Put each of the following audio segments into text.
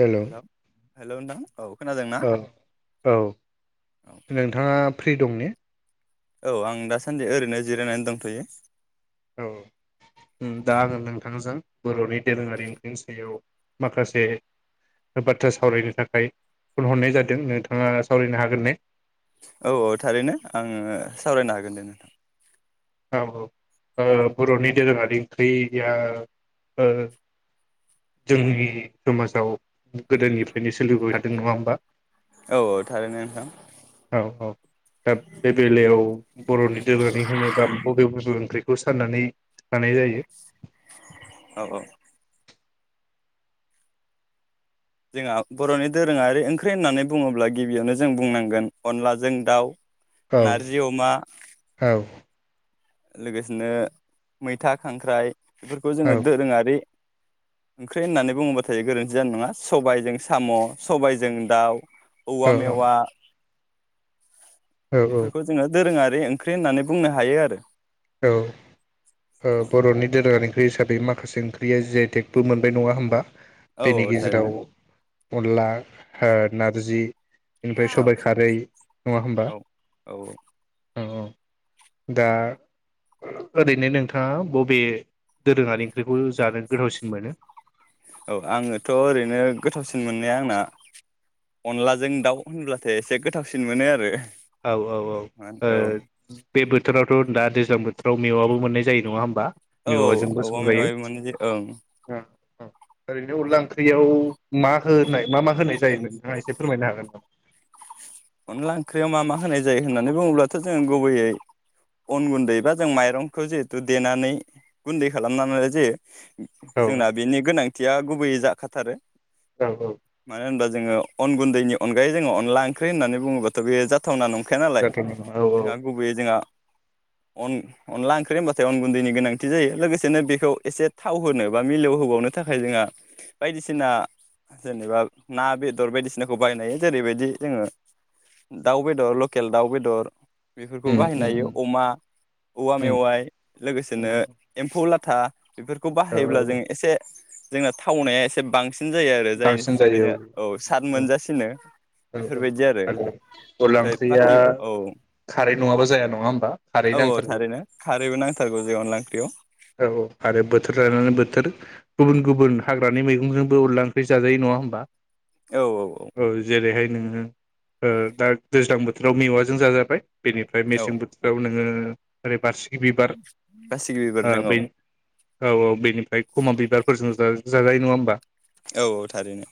हेल' hello नोंथां औ खोनादोंना औ औ औ नोंथाङा फ्रि दं ने औ आं दासान्दि ओरैनो जिरायनानै दंथ'यो औ दा आङो नोंथांजों बर'नि दोरोङारि ओंख्रिनि सायाव माखासे बाथ्रा सावरायनो थाखाय फन हरनाय जादों नोंथाङा सावरायनो हागोन ने औ औ थारैनो आङो सावरायनो हागोन दे नोंथां औ औ बर'नि दोरोङारि ओंख्रैया जोंनि समाजाव गोदोनिफ्रायनो सोलिबोबाय थादों नङा होमबा औ औ थारैनो नोंथां औ औ दा बे बेलायाव बर'नि दोरोङारि होनोबा बबे बबे ओंख्रि बे खौ साननानै लानाय जायो औ औ जोंहा बर'नि दोरोङारि ओंख्रि होननानै बुङोब्ला गिबियावनो जों बुंनांगोन अनलाजों दाउ औ नारजि अमा औ लोगोसेनो मैथा खांख्राइ बेफोरखौ औ जोङो दोरोङारि ओंख्रि होननानै बुङोबाथाय गोरोन्थि जानाय नङा सबायाइजों साम' सबायजों दाउ औ औवा मेवा औ औ बेफोरखौ जोङो दोरोङारि ओै ओंख्रि होननानै बुंनो हायो आरो औ औ बर'नि दोरोङारि ओंख्रि हिसाबै माखासे ओंख्रिया जि आइ टेगबो मोनबाय नङा होमबा औ बेनि औ थारैनो गेजेराव अनला हो नारजि बेनिफ्राय औ सबाइ खारै नङा होमबा औ औ औ औ दा ओरैनो नोंथाङा बबे दोरोङारि ओंख्रिखौ जानो गोथावसिन मोनो औ आङोथ' ओरैनो गोथावसिन मोननाया आंना अनलाजों दाउ होनब्लाथाय एसे गोथावसिन मोनो आरो औ औ औ ओ बे बोथोराव दा दैज्लां बोथोरावबो मोननाय जायो नङा होमबा औ औ औ मेवाजोंबो औवा संजायो मेवाइ मोनो [unintelligible] ओं ओरैनो अनला ओंख्रियाव मा होनाय मा मा होनाय जायोमोन नोंथाङहा एसे फोरमायनो हागोन नामा अनला ओंख्रियाव मा मा होनाय जायो होननानै बुङोब्लाथ' जों गुबैयै अन गुन्दै बा जों माइरंखौ जिहेथु देनानै गुन्दै खालामनानै जायो औ जोंना बेनि गोनां थिया गुबैयै जाखाथारो औ औ मानो होनबा जोङो अन गुन्दैनि अनगायै जों अनला ओं ओंख्रि होननानै बुङोबाथ' बे जाथावना नं खाया नालाय जाथों औ औ जोंहा गुबैयै जोंहा अन अनला ओंख्रि होनबाथाय अन गुन्दैनि गोनांथि जायो लोगोसेनो बेखौ एसे थाव होनो बा मिलौहोबावनो थाखाय जोंहा बायदिसिना जेनेबा ना बेदर बायदिसिनाखौ बायनायो जेरैबायदि जोङो दाउ बेदर लकेल दाउ बेदर बेफोरखौ उम बाहायनो उम हायो उम अमा औवा उम मेवाइ लोगोसेनो उम एम्फौ लाथा था बेफोरखौ औ बाहायोब्ला जों औ एसे जोंना थावनाया एसे बांसिन सिन जायो आरो जायनि बांसिन जायो थाखायनो औ साद औ मोनजासिनो औ औ आरो अनला ओमफ्राय ओंख्रिया बाखि औ खारै नङाबा जाया नङा होमबा खारै औ औ नांथारगौ थारैनो खारैबो नांथारगौ जों अनला ओंख्रियाव औ औ आरो बोथोर लानानै बोथोर गुबुन गुबुन हाग्रानि मैगंजोंबो उरलां ख्रि जाजायो नङा होनोमबा औ जेरैहाय नोङो दा दैज्लां बोथोराव मेवाजों जाजाबाय बेनिफ्राय मेसें बोथोराव नोङो ओै बारसि बासिगि बिबारजों औ औ औ बेनिफ्राय खमा बिबारफोरजोंबो जाजायो नङा होमबा औ औ थारैनो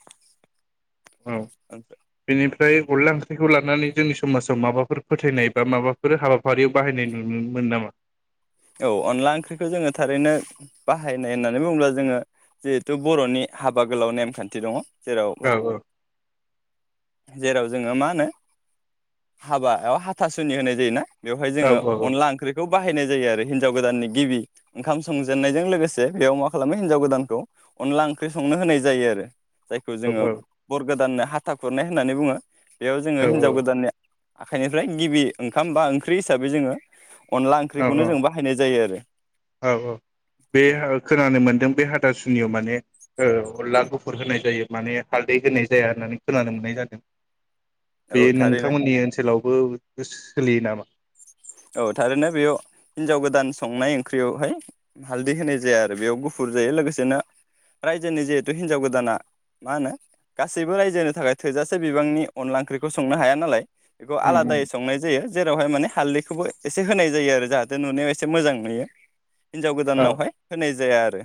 थ ओमफ्राय अनला ओंख्रिखौ लानानै जोंनि समाजाव माबाफोर फोथायनाय बा माबाफोर हाबाफारियाव बाहायनाय नुनो मोन नामा औ अनला ओंख्रिखौ जोङो थारैनो बाहायनाय होननानै बुङोब्ला जोङो जिहेथु बर'नि हाबा गोलाव नेमखान्थि दङ जेराव औ औ जेराव जोङो मा होनो हाबायाव हाथासुनि होनाय जायो ना बेवहाय औ जोङो अनला ओंख्रिखौ बाहायनाय जायो आरो हिनजाव गोदाननि गिबि ओंखाम संजेननायजों लोगोसे बेयाव मा खालामो हिनजाव गोदानखौ अनला ओंख्रि संनो होनाय जायो आरो जायखौ औ जोङो बर गोदाननो हाथा खुरनाय होननानै बुङो बेयाव जोङो औ हिनजाव गोदाननि आखाइनिफ्राय गिबि ओंखाम बा ओंख्रि हिसाबै जोङो अनला औ ओंख्रिखौनो जोंबा जायो आरो औ औ बे औ खोनानो मोनदों बे हाथासुनियाव माने ओ ओ औ अनला गुफुर होनाय जायो माने हालदै होनाय जाया होननानै खोनानो मोननाय जादों बे औ थारैनो नोंथांमोननि ओनसोलावबो सोलियो नामा औ थारैनो बेयाव हिनजाव गोदान संनाय ओंख्रियावहाय हालदै होनाय जाया आरो बेयाव गुफुर जायो लोगोसेनो रायजोनि जिहेथु हिनजाव गोदाना मा होनो गासैबो रायजोनि थाखाय थोजासे बिबांनि अनला ओंख्रिखौ संनो हाया नालाय बेखौ उम आलादायै उम संनाय जायो जेर रावहाय माने हालदै बेखौबो एसे होनाय जायो आरो जाहाथे नुनायाव एसे मोजां नुयो हिन्जाव औ गोदानावहाय होनाय जाया आरो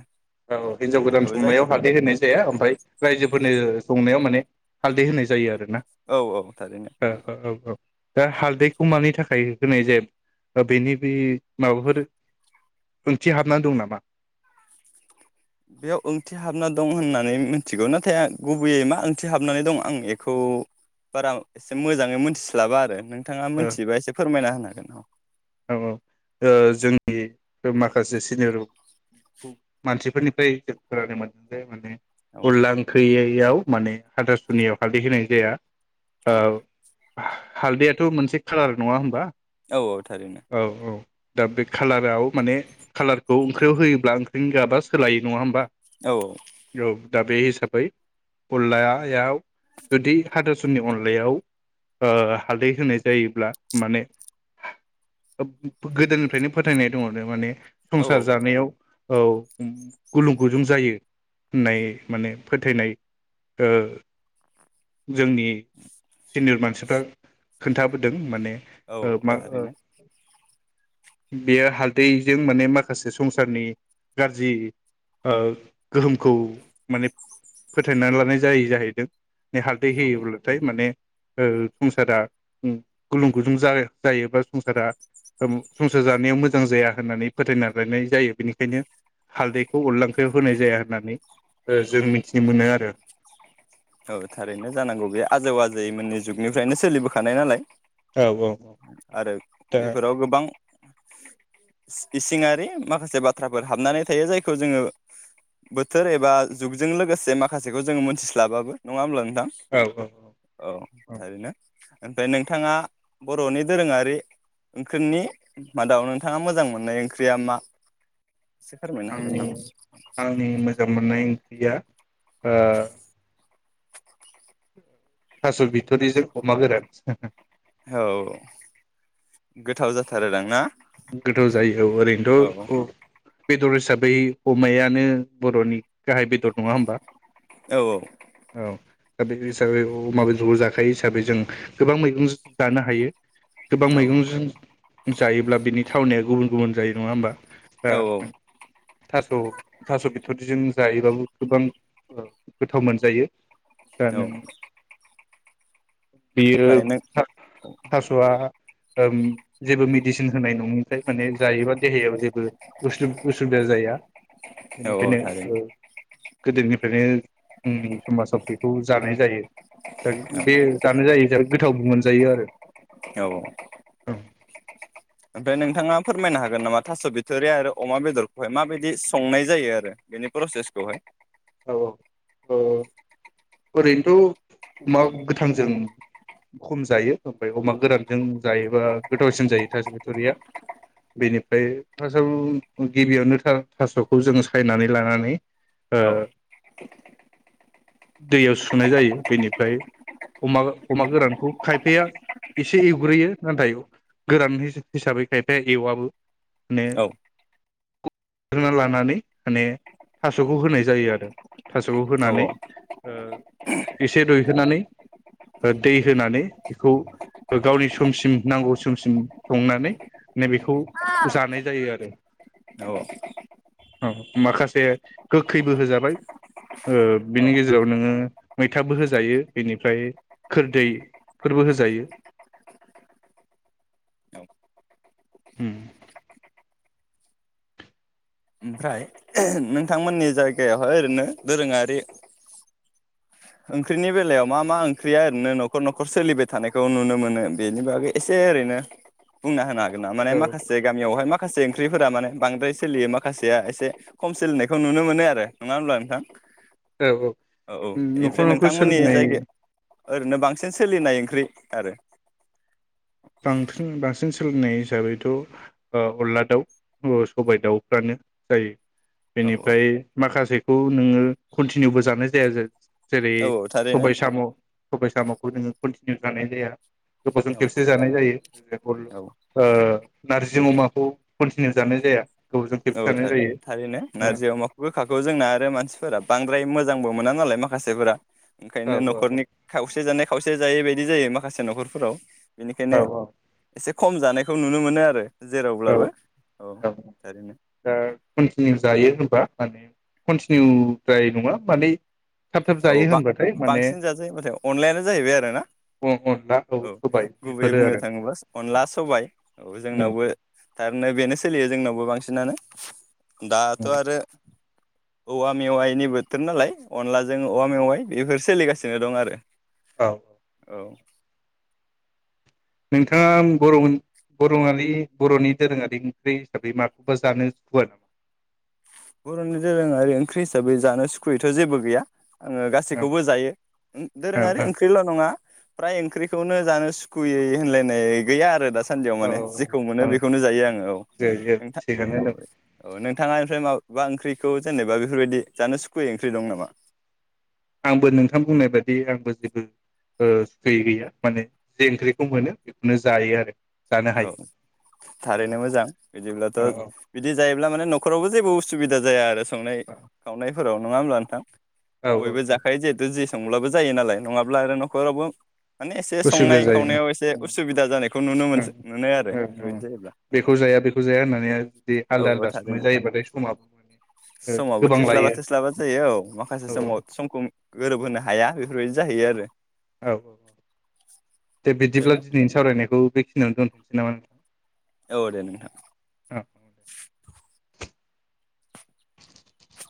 औ हिनजाव गोदान औ संनायाव जायखौ हालदै होननाय जाया ओमफ्राय रायजोफोरनो संनायाव मान माने हालदै होनाय जायो आरो ना औ औ थारैनो औ औ दा हालदैखौ मानि थाखाय होनाय जाया बेनि बे माबाफोर ओंथि हाबना दं नामा बेयाव ओंथि हाबना दं होननानै मिथिगौ नाथाय आं गुबैयै मा ओंथि हाबनानै दं आं बेखौ बारा एसे मोजाङै मोनथिस्लाबा आरो नों बिथाङा औ मिथिबा एसे फोरमायना होनांगोन ज [unintelligible] औ औ ओ जोंनि माखासे सिनियर मानसिफोरनिफ्राय जों खोनानो मोनदों जे माने अनला ओंख्रैयै याव माने हाथासुनियाव हालदै होनाय जाया औ हालदैयाथ' मोनसे कालार नङा होमबा औ औ थारैनो औ औ दा बे खालाराव माने कालारखौ ओंख्रियाव होयोब्ला ओंख्रि गाबा सोलायो नङा होमबा औ औ औ दा बे हिसाबै अनलायाव जुदि हाथासुननि अनलायाव ओ हालदै होनाय जायोब्ला माने गोदोनिफ्रायनो फोथायनाय दङ नो माने औ संसार औ जानायाव औ गुलुं गुजुं जायो होननाय माने फोथायनाय जोंनि सिनियर मानसि खोन्थाबोदों माने औ औ ओ मा ओ थारैनो बेयो हालदैजों माने माखासे संसारनि गाज्रि ओ गोहोमखौ माने फोथायनानै लानाय जायो जाहैदों हालदै औ होयोब्लाथाय माने संसारा गुलुं गुजुं जायो बा संसारा संसार जानायाव मोजां जाया होननानै फोथायना लायनाय जायो बेनिखायनो हालदैखौ अनला ओंख्रैयाव होनाय जाया होननानै जों मिथिनो मोनो आरो औ थारैनो जानांगौ बे आजौ आजैैमोननि जुगनिफ्रायनो सोलिबोखानाय नालाय औ औ आरो दा बेफोराव गोबां इसिङारि माखासे बाथ्राफोर हाबनानै थायो जायखौ जोङो बोथोर एबा जुगजों लोगोसे माखासेखौ जोङो मोनथिस्लाबाबो नङा होमब्ला नोंथां औ औ थारैनो ओमफ्राय नोंथाङा बर'नि दोरोङारि ओंख्रिनि मादाव नोंथाङा मोजां मोननाय ओंख्रिया मा एसे फोरमायनो हागोन आंनि नामा आंनि मोजां मोननाय ओंख्रिया थास' बिथरिजों अमा गोरान औ गोथाव जाथारोदां ना गोथाव जायो औ ओरैनोथ' बेदर हिसाबै अमायानो बर'नि गाहाय बेदर नङा होमबा औ औ औ दा बे हिसाबै अमा बेदरखौ जाखायो हिसाबै जों गोबां मैगंजों जानो हायो गोबां औ मैगंजों जायोब्ला बेनि थावनाया गुबुन गुबुन जायो नङा होमबा औ थास' थास' बिथरिजों जायोबाबो गोबां गोथाव मोनजायो औ [unintelligible] बियो ओमफ्राय नों थास'आ जेबो मेदिसिन होनाय नङनिफ्राय माने जायोबा देहायाव जेब उसुबिदा जाया औ थारैनो बेनिखायनो गोदोनिफ्रायनो जोंनि समाजाव बेखौ जानाय जायो दा बे जानो जायो हिसाबै बे गोथावबो मोनजायो आरो औ औ ओमफ्राय नोंथाङा फोरमायनो हागोन नामा थास' बिथोरि आरो अमा बेदरखौहाय माबायदि संनाय जायो आरो बेनि प्रसेसखौहाय औ औ ओरैनोथ' अमा गोथांजों खम जायो ओमफ्राय अमा गोरानजों जायोबा गोथावसिन जायो थास' बिथ'रिया बेनिफ्राय थास' गिबियावनो थास'खौ जों सायनानै लानानै औ दैयाव सुनाय जायो बेनिफ्राय अमा अमा गोरानखौ खायफाया एसे एवग्रोयो नाथाय गोरान हिसाबै खायफाया एवाबो माने औ गना लानानै माने थास'खौ होनाय जायो आरो थास'खौ औ होनानै एसे रुइहोनानै दै होनानै बेखौ गावनि समसिम नांगौ समसिम संनानै नैबेखौ जानाय जायो आरो औ औ माखासे गोखैबो होजाबाय औ बेनि गेजेराव जेराव नोङो मैथाबो होजायो बेनिफ्राय खोरदैफोरबो होजायो औ हम ओमफ्राय नोंथांमोननि जायगायावहाय ओरैनो दोरोङारि ओंख्रिनि बेलायाव मा मा ओंख्रिया ओरैनो न'खर न'खर सोलिबाय थानायखौ नुनो मोनो बेनि बागै एसे ओरैनो बुंना होना औ माखासे गामियावहाय मा माखासे ओंख्रिफोरा माने बांद्राय सोलियो माखासेया एसे खम सोलिनायखौ नुनो मोनो आरो नङा होमब्ला नोंथां औ औ न'खर ओमफ्राय न'खर नोंथांमोननि सोलिनाय जायगा ओरैनो बांसिन सोलिनाय ओंख्रि आरो बांसिन बांसिन सोलिनाय हिसाबैथ' अनला दाउ सबाय दाउफ्रानो जायो औ औ बेनिफ्राय माखासेखौ नोङो कन्टिनिउबो जानाय जाया जेरै औ औ थारैनो सबाय साम' सबाय सामखौ नोङो कन्टिनिउ जानाय जाया गोबावजों औ खेबसे जानाय जायो जल औ नारजि अमाखौ कन्टिनिउ जानाय जाया गोबावजों खेबसे औ जानाय थार जायो थारैनो नारजि अ माखौ गोखाखौ जोंना आरो मानसिफोरा बांद्राय ओमफ्राय मोजांबो मोना नालाय माखासेफोरा औ ओंखायनो न'खरनि खावसे जानाय खावसे जायैबायदि बिदि जायो माखासे न'खरफोराव बेनिखायनो औ एसे खम जानायखौ नुनो मोनो आरो औ जेरावब्लाबो औ थारैनो दा कन्टिनिउ जायो होनबा माने कन्टिनिउद्राय नङा माने थाब थाब औ जायो ब होनबाथाय माने बांसिन जाजायो होनबाथाय अनलायानो जाहैबाय आरो ना अनला औ सबाय गुबैयै बेफोरो बुंनो आरो थाङोब्ला अनला सबाय औ जोंनावबो थारैनो बेनो सोलियो जोंनावबो बांसिनानो दाथ' आरो औवा मेवायनि बोथोर नालाय अनला ज जों औवा मेवाइ बेफोर सोलिगासिनो दं आरो औ औ औ नोंथाङा बर' बर'आारि बर'नि दोरोङारि ओंख्रि हिसाबै माखौबा जानो सुखुवा नामा बर'नि दोरोङारि ओंख्रि हिसाबै जानो सुखुयैथ' जेबो गैया आङो गासैखौबो जायो दोरोङारि ओंख्रिल' नङा फ्राय ओंख्रिखौनो जानो सुखुयै होनलायनाय गैया आरो द सानदियाव औ माने जेखौ मोनो औ बेखौनो जायो आङो औ जायो नोंथां थिगानो औ दं औ नोंथाङा ओमफ्राय मा बबा ओंख्रिखौ जेनेबा बेफोरबायदि जानो सुखुयै ओंख्रि दं नामा आंबो नोंथां बुंनाय बाददि आंबो जेबो ओ सुखै गैया माने जे ओंख्रिखौ मोनो बेखौनो जायो आरो जानो औ हायो औ थारैनो मोजां बिदिब्लाथ' औ बिदि जायो ब्ला माने न'खरावबो जेबो उसुबिदा जाया आरो संनाय खावनाय फोराव नङा होमब्ला नोंथां औ बयबो औ जाखायो जिहेथु जे सोंब्लाबो जायो नालाय नङाब्ला आरो न'खरावबो माने एसे उसुबिदा संनाय जायो खावनायाव एसे उसुबिदा जानायखौ नुनो मोनसो मोनो आरो ओ औ बेफोरबायदि जायोब्ला औ बेखौ जाया बेखौ जाया होननानै जुदि औ आलदा औ आलदा संनाय थारैनो जायोबाथाय समाबो माने समावबो गोबां थोस्लाबा लायो थोस्लाबा जायो औ माखासे औ समाव समखौ गोरोबहोनो हाया बेफोरबायदि जाहैयो आरो औ औ औ दे बिदिब्ला थारैनो दिनैनि सावरायनायखौ बेखिनियावनो दोनथ'नोसै नामा औ दे नोंथां औ [inaudible]